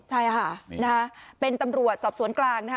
ใช่ค่ะเป็นตำรวจสอบสวนกลางนะคะ